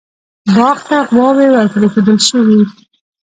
باغ ته غواوې ور پرېښودل شوې.